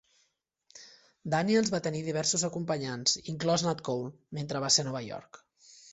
Daniels va tenir diversos acompanyants, inclòs Nat Cole, mentre va ser a Nova York.